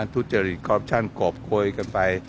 ทุจจริตกรอบโคยกันไป